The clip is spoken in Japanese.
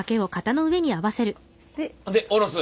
で下ろす？